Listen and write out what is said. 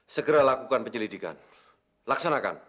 segera lakukan penyelidikan laksanakan